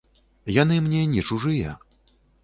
Яны мне не чужыя.